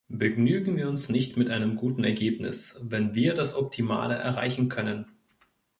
Begnügen wir uns nicht mit einem guten Ergebnis, wenn wir das Optimale erreichen können.